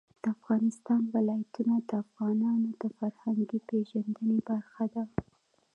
د افغانستان ولايتونه د افغانانو د فرهنګي پیژندنې برخه ده.